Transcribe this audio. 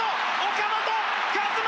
岡本和真